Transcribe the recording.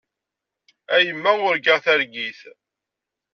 A yemma urgaɣ targit.